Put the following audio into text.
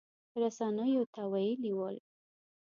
رسنیو ته ویلي ول